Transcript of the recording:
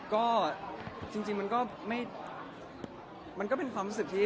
ก็จริงมันก็เป็นความคิดที่